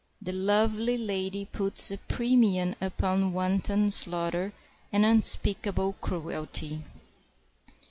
The lovely lady puts a premium upon wanton slaughter and unspeakable cruelty.